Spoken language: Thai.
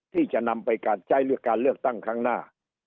ที่จะนำไปการใช้หรือการเลือกตั้งครั้งหน้า